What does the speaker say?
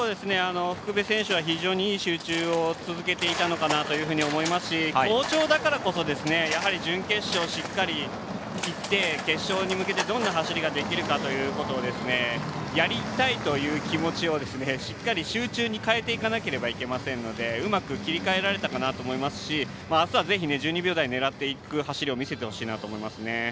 福部選手は非常にいい集中を続けていたのかなというふうに思いますし、好調だからこそやはり、準決勝しっかりいって決勝に向けてどんな走りができるかやりたいという気持ちをしっかり集中に変えていかなければいけませんのでうまく切り替えられたかなと思いますしあすはぜひ１２秒台を狙っていく走りを見せてほしいなと思いますね。